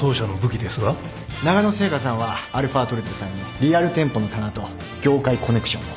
ながの製菓さんはαトルテさんにリアル店舗の棚と業界コネクションを。